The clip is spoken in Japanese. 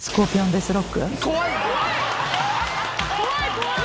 怖い！